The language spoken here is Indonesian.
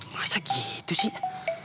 masa gitu sih